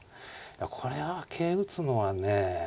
これは桂打つのはね